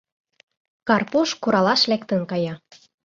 Карпуш куралаш лектын кая.